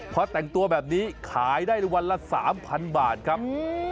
พอแต่งตัวแบบนี้ขายได้วันละ๓๐๐บาทครับ